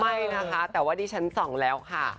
ไม่นะคะแต่วันนี้ชั้นสองแล้วค่ะ